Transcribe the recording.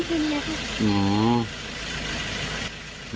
อืม